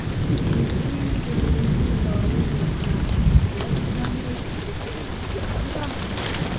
Endingidi mu luyimba Walulumba , ne bassaamu ekisoko ekigamba.